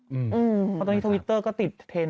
เพราะตอนนี้ทวิตเตอร์ก็ติดเทรนด